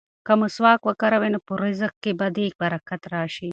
که مسواک وکاروې نو په رزق کې به دې برکت راشي.